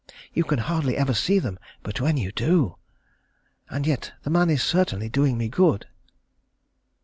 You can hardly ever see them; but when you do! And yet the man is certainly doing me good.